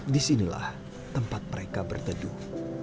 disinilah tempat mereka berteduh